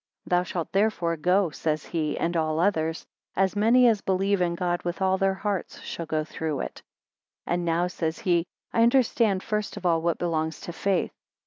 Thou shalt therefore go, says he, and all others, as many as believe in God with all their heart, shall go through it. 7 And now, says he, I understand first of all what belongs to faith.